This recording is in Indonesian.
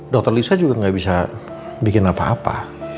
dokter lisa juga nggak bisa bikin apa apa